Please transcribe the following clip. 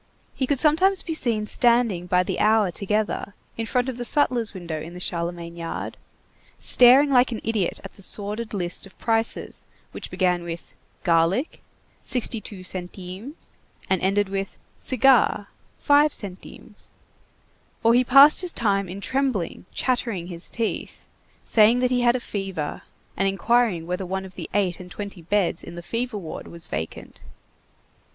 He could sometimes be seen standing by the hour together in front of the sutler's window in the Charlemagne yard, staring like an idiot at the sordid list of prices which began with: garlic, 62 centimes, and ended with: cigar, 5 centimes. Or he passed his time in trembling, chattering his teeth, saying that he had a fever, and inquiring whether one of the eight and twenty beds in the fever ward was vacant.